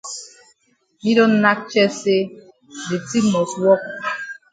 Yi don nack chest say de tin must wok.